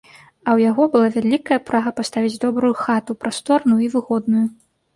А ў яго была вялікая прага паставіць добрую хату, прасторную і выгодную.